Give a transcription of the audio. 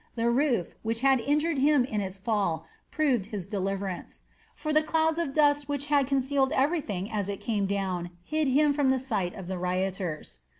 The roof, which had injured him in its fall, proved his deliverance; for the clouds of dust which had concealed everything as it came down hid him from the sight of the rioters.